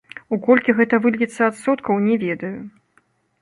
У колькі гэта выльецца адсоткаў, не ведаю.